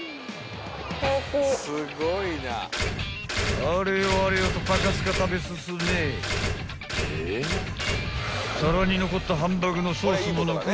［あれよあれよとパカスカ食べ進めさらに残ったハンバーグのソースも残さず堪能］